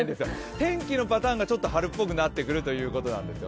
天気のパターンがちょっと春っぽくなってくるということです。